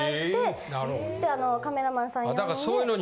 カメラマンさん呼んで。